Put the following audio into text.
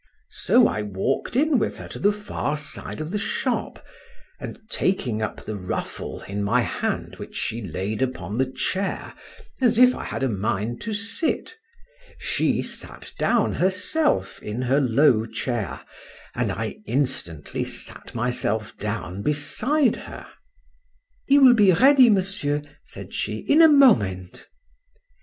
—So I walk'd in with her to the far side of the shop: and taking up the ruffle in my hand which she laid upon the chair, as if I had a mind to sit, she sat down herself in her low chair, and I instantly sat myself down beside her. —He will be ready, Monsieur, said she, in a moment.